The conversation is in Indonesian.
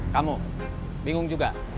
kamu bingung juga